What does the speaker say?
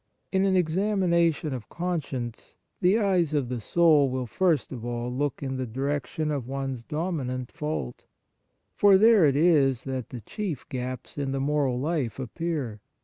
In an examination of conscience, the eyes of the soul will first of all look in the direction of one s dominant fault ; for there it is that the chief gaps in the moral life appear.